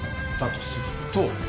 だとすると。